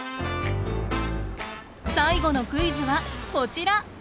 最後のクイズはこちら。